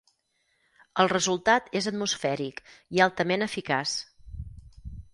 El resultat és atmosfèric i altament eficaç.